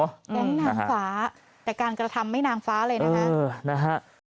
แก๊งนางฟ้าแต่การกระทำไม่นางฟ้าเลยนะคะ